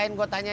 ini apaan sih